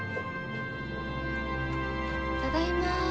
ただいま。